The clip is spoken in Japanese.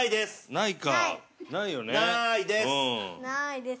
◆なーいです。